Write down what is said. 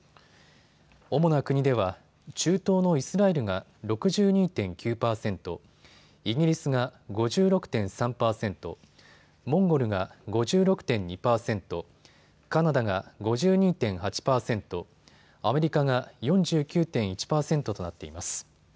主な国では中東のイスラエルが６２．９％、イギリスが５６．３％、モンゴルが５６．２％、カナダが５２．８％、アメリカが４９．１％となっています。